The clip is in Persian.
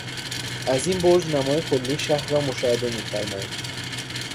از این برج نمای کلی شهر را مشاهده میفرمایید.